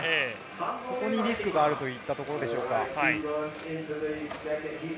そこにリスクがあるといったところでしょうか。